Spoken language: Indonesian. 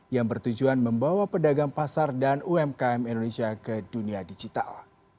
yang bertujuan membawa pedagang pasar dan umkm indonesia ke dunia digital